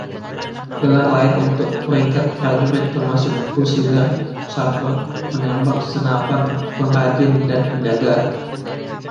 Gelar lain untuk peringkat prajurit termasuk fusilier, sapper, penembak senapan, pengrajin, dan penjaga.